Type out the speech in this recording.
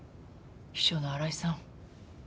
秘書の新井さん